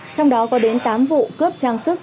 trong đó có đến tám vụ cướp trang sức